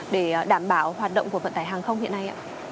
để đảm bảo hoạt động của vận tải hàng không hiện nay ạ